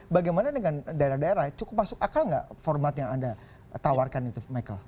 bagaimana dengan daerah daerah cukup masuk akal nggak format yang anda tawarkan itu michael